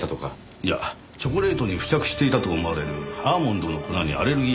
いやチョコレートに付着していたと思われるアーモンドの粉にアレルギー反応を起こし